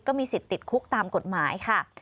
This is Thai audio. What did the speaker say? ก็มีสิทธิ์ติดคุกตามกฎหมายค่ะ